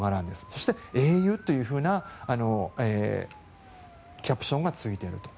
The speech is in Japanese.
そして、英雄というキャプションがついていると。